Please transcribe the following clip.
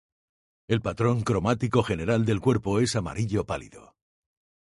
El patrón cromático general del cuerpo es amarillo pálido.